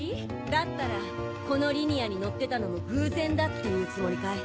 だったらこのリニアに乗ってたのも偶然だって言うつもりかい？